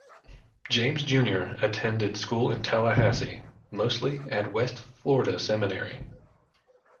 James Junior attended school in Tallahassee, mostly at West Florida Seminary.